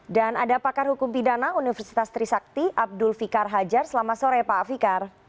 dan ada pakar hukum pidana universitas trisakti abdul fikar hajar selamat sore pak fikar